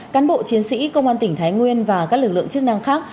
cán bộ chiến sĩ công an tỉnh thái nguyên và các lực lượng chức năng khác